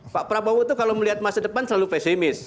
pak prabowo itu kalau melihat masa depan selalu pesimis